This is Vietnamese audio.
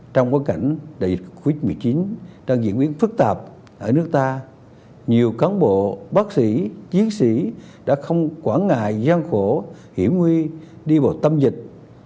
trong bối cảnh đại dịch covid một mươi chín đang diễn biến phức tạp ở nước ta nhiều cán bộ bác sĩ chiến sĩ đã không quản ngại gian khổ hiểm nguy đi vào tâm dịch